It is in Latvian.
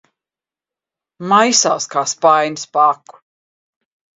Maisās kā spainis pa aku.